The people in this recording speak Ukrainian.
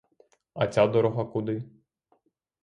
А ця дорога куди?